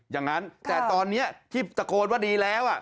อย่างนั้นแต่ตอนนี้ที่ตะโกนว่าดีแล้ว